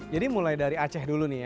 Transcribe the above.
jadi mulai dari aceh dulu